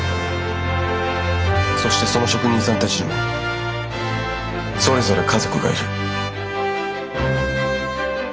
そしてその職人さんたちにもそれぞれ家族がいる。